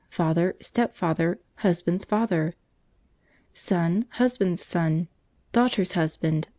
Father. Step Father. Husband's Father.. Son. Husband's Son. Daughter's Husband..